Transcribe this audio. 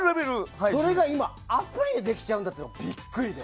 それが今、アプリでできちゃうんだっていうのがビックリで。